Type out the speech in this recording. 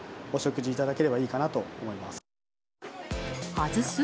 外す？